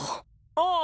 ああ